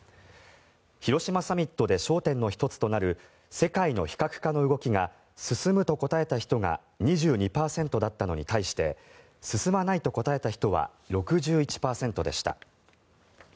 広島サミットで焦点の１つとなる世界の非核化の動きが進むと答えた人が２２％だったのに対して進まないと答えた人は６１％でした。